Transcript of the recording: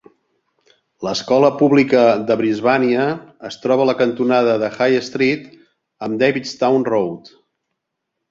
L'escola pública de Brisbania es troba a la cantonada de High Street amb Davistown Road.